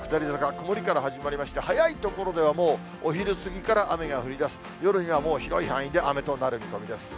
曇りから始まりまして、早い所ではもう、お昼過ぎから雨が降りだす、夜にはもう広い範囲で雨となる見込みです。